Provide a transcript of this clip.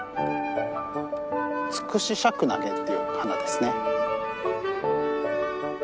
「ツクシシャクナゲ」っていう花ですね。